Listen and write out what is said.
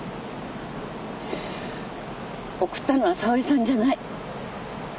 送ったのは沙織さんじゃない。